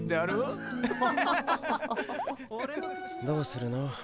どうするの？